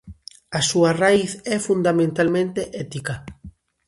A súa raíz é fundamentalmente ética.